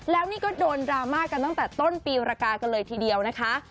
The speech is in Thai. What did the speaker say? แล้วนี่ก็โดนดราม่ากันตั้งแต่ต้นปีรากากันเลยทีเดียวนะคะ